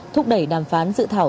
thúc đẩy đàm phán dự thảo